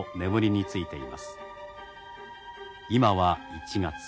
今は１月。